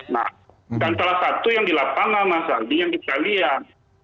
nah dan salah satu yang dilapang sama masjid yang kita lihat